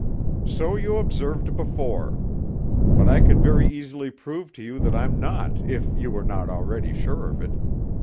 "So you observed before; but I could very easily prove to you that I'm not, if you were not already sure of it.